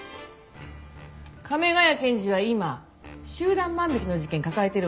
亀ヶ谷検事は今集団万引きの事件抱えてるわよね？